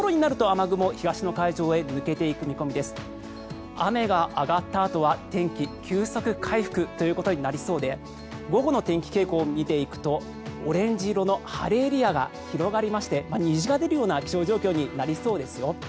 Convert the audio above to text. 雨が上がったあとは天気、急速回復ということになりそうで午後の天気傾向を見ていくとオレンジ色の晴れエリアが広がりまして虹が出るような気象状況になりそうですよ。